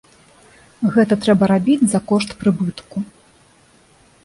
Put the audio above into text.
Гэта трэба рабіць за кошт прыбытку.